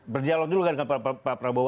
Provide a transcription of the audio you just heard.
berdialog dulu kan dengan pak prabowo